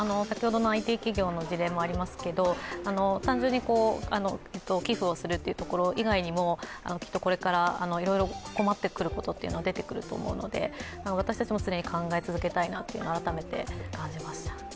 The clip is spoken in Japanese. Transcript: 先ほどのＩＴ企業の事例もありますけれども、単純に、寄付をするというところ以外にもきっとこれからいろいろ困ってくることって出てくると思うので私たちも常に考え続けたいなというのは改めて感じました。